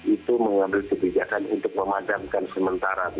itu mengambil kebijakan untuk memadamkan sementara